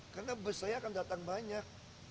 karena bus saya akan datang banyak